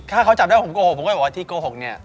ถ้าเขาจับได้ผมโกหกผมก็เลยบอกว่าที่โกหกเนี่ย